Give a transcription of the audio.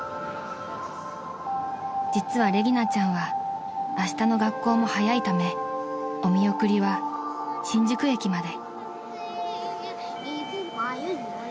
［実はレギナちゃんはあしたの学校も早いためお見送りは新宿駅まで］